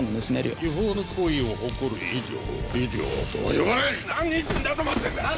違法な行為を誇る医療を医療とは呼ばない何人死んだと思ってんだ！